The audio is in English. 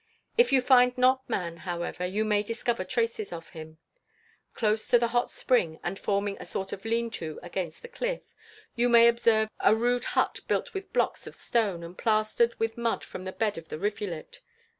If you find not man, however, you may discover traces of him. Close to the hot spring, and forming a sort of "lean to" against the cliff, you may observe a rude hut built with blocks of stone, and plastered with mud from the bed of the rivulet.